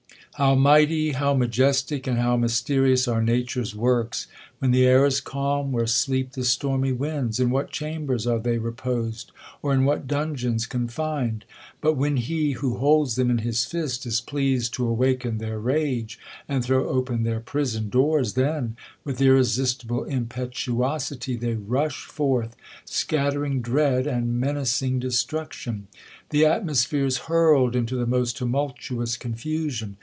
HOW mighty ! how majestic ! and how mysteri ous are nature's works ! When the air is calm, where sleep the stormy winds ? In vs^hat chambers are they reposed, or in what dungeons confined ? But when He, " who holds them in his fist," is pleased to awaken their rage, and throw open their prison doors, then, with irresistible impetuosity, they, rush forth, scattering dread, and menacing destruction. The atmosphere is liurled into the most tumultuous confusion.